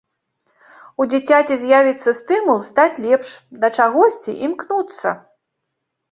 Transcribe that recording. У дзіцяці з'явіцца стымул стаць лепш, да чагосьці імкнуцца.